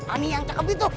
ani yang cakep itu